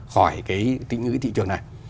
khỏi cái thị trường này